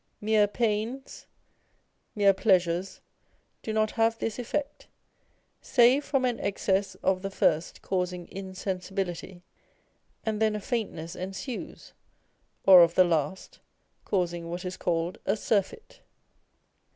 Mere pains, mere pleasures do not have this effect, save from an excess of the first causing insensibility and then a faintness ensues, or of the last, causing what is called a surfeit.